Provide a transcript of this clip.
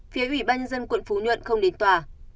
phía ủy ban nhân dân quận phú nhuận không đến tòa